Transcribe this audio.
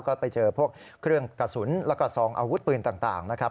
ก็ไปเจอพวกเครื่องกระสุนแล้วก็ซองอาวุธปืนต่างนะครับ